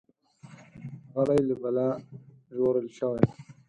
غلی، له بلا ژغورل شوی.